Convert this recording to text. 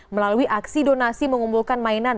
melalui aksi donasi mengumpulkan mainan